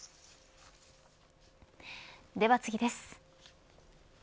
では次です。